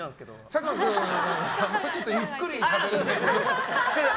佐久間君、もうちょっとゆっくりしゃべらないと。